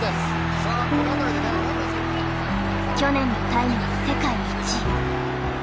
去年のタイムは世界１位。